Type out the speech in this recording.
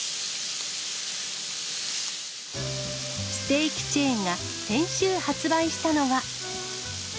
ステーキチェーンが先週発売したのは。